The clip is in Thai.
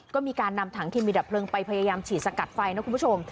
ก็มีการนำถังเคมีดับเพลิงไปพยายามฉีดสกัดไฟนะคุณผู้ชม